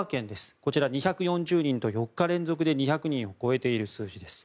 こちら、２４０人と３日連続で２００人を超えている数字です。